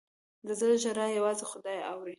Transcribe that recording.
د زړه ژړا یوازې خدای اوري.